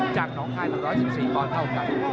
จากน้องค่าย๑๑๔ต้อนเท่ากัน